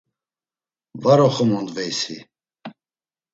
“Var oxomondveysi?”